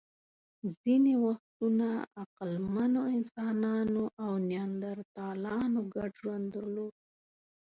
ځینې وختونه عقلمنو انسانانو او نیاندرتالانو ګډ ژوند درلود.